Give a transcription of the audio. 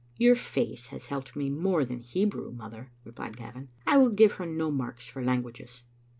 "Your face has helped me more than Hebrew, mother," replied Gavin. " I will give her no marks for languages."